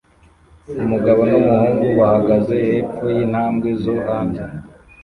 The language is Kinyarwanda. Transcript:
Umugabo n'umuhungu bahagaze hepfo yintambwe zo hanze